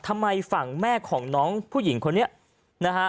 ทำไมฝั่งแม่ของน้องผู้หญิงคนนี้นะฮะ